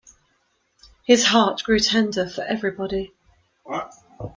His heart grew tender for everybody.